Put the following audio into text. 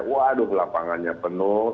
waduh lapangannya penuh